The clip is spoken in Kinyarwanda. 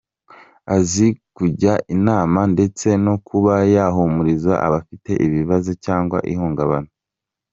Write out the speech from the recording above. Azi kujya inama ndetse no kuba yahumuriza abafite ibibazo cyangwa ihungabana.